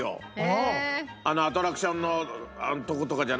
アトラクションのとことかじゃなくて。